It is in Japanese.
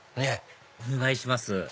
お願いします